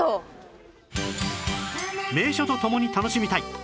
名所と共に楽しみたい！